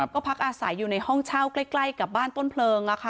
ก็พักอาศัยอยู่ในห้องเช่าใกล้กับบ้านต้นเพลิง